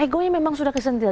egonya memang sudah kesentil